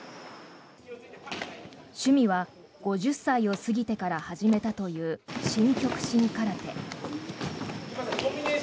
趣味は５０歳を過ぎてから始めたという新極真空手。